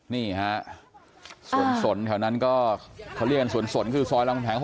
นี่ฮะสนแถวนั้นก็เขาเรียกสนคือซอยรามกำแหง๖๐อ่ะ